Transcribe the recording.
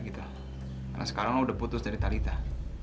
karena sekarang lo udah putus dari talithah